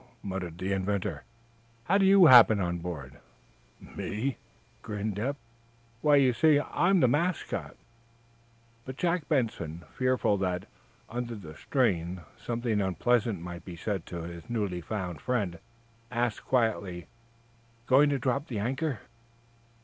"Hullo!" muttered the inventor. "How do you happen on board?" "Me?" grinned Eph. "Why, you see, I'm the mascot." But Jack Benson, fearful that, under the strain, something unpleasant might be said to his newly found friend, asked, quietly: "Going to drop the anchor?"